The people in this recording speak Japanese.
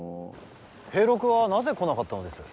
平六はなぜ来なかったのです。